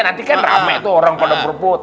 nanti kan rame tuh orang pada perput